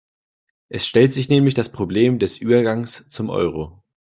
Es stellt sich nämlich das Problem des Übergangs zum Euro.